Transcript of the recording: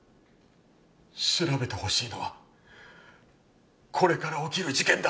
調べてほしいのはこれから起きる事件だ。